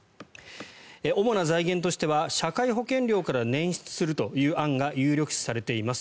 主な財源としては社会保険料から捻出するという案が有力視されています。